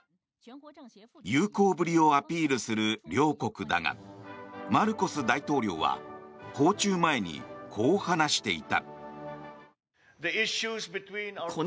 友好ぶりをアピールする両国だがマルコス大統領は訪中前にこう話していた。